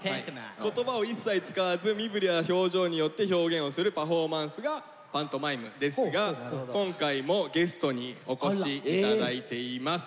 言葉を一切使わず身振りや表情によって表現をするパフォーマンスがパントマイムですが今回もゲストにお越しいただいています。